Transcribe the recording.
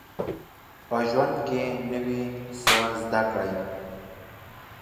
په ژوند کي نوی څه زده کړئ